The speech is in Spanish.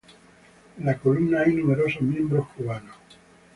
En la columna hay numerosos miembros cubanos.